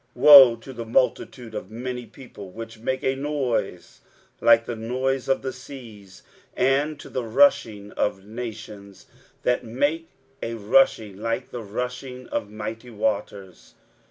23:017:012 Woe to the multitude of many people, which make a noise like the noise of the seas; and to the rushing of nations, that make a rushing like the rushing of mighty waters!